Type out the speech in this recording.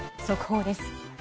速報です。